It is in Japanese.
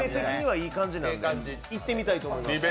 いってみたいと思います。